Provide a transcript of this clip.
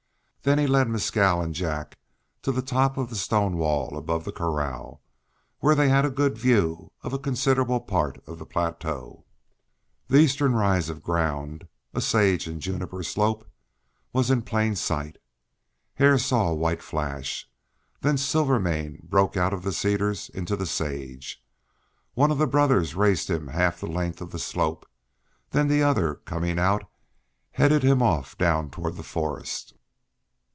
Then he led Mescal and Jack to the top of the stone wall above the corral, where they had good view of a considerable part of the plateau. The eastern rise of ground, a sage and juniper slope, was in plain sight. Hare saw a white flash; then Silvermane broke out of the cedars into the sage. One of the brothers raced him half the length of the slope, and then the other coming out headed him off down toward the forest.